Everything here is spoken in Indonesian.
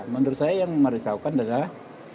menurut saya yang merisaukan adalah